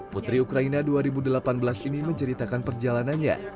putri ukraina dua ribu delapan belas ini menceritakan perjalanannya